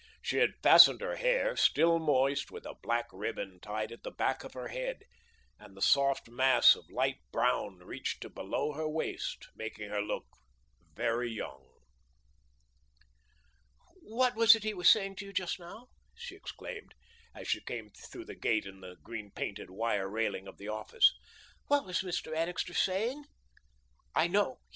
She had fastened her hair, still moist, with a black ribbon tied at the back of her head, and the soft mass of light brown reached to below her waist, making her look very young. "What was it he was saying to you just now," she exclaimed, as she came through the gate in the green painted wire railing of the office. "What was Mr. Annixter saying? I know.